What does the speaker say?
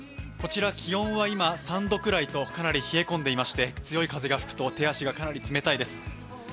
こちら、気温は今３度くらいとかなり冷え込んでいまして強い風が吹くと手足がかなり冷たいです。